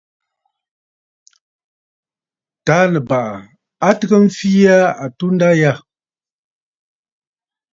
Taà Nɨ̀bàʼà a tɨgə mfee aa atunda yâ.